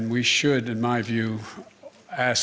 maka kita harus menurut saya